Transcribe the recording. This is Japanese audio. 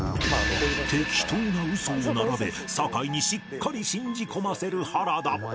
適当なウソを並べ酒井にしっかり信じ込ませる原田